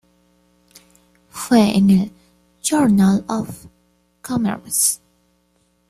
Fue en el Journal of Commerce.